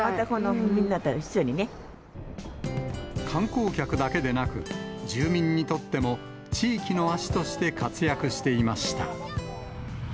みんなと観光客だけでなく、住民にとっても、地域の足として活躍していました。